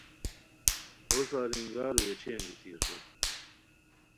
ہوسار انگار ویچھی انگیتی اسور